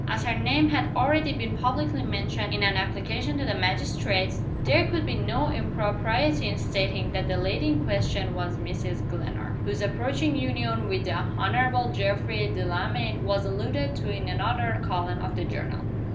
As her name had already been publicly mentioned in an application to the magistrates, there could be no impropriety in stating that the lady in question was Mrs. Glenarm whose approaching union with the Honorable Geoffrey Delamayn was alluded to in another column of the journal.